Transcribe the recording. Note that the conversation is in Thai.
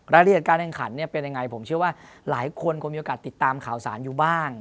รายละเอียดการแข่งขันเนี่ยเป็นยังไงผมเชื่อว่าหลายคนคงมีโอกาสติดตามข่าวสารอยู่บ้าง